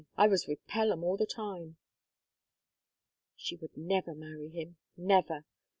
I was with Pelham all the time." She would never marry him, never!